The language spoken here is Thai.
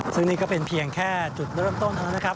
ซึ่งนี่ก็เป็นเพียงแค่จุดเริ่มต้นเท่านั้นนะครับ